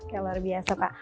ya luar biasa pak